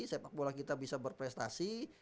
sepak bola kita bisa berprestasi